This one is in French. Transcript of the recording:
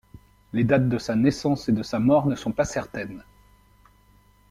Les dates de sa naissance et de sa mort ne sont pas certaines.